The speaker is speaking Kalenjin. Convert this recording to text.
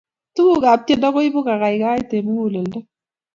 tukuk ap tiendo koibu kakaikaet eng mukuleldo